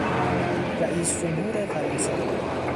رئیسجمهور فرانسه